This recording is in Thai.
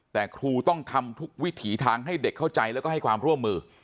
แต่ครูต้องทำทุกวิถีทางให้เด็กเข้าใจแล้วก็ให้ความร่วมมือ